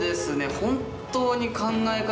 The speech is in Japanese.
本当に考え方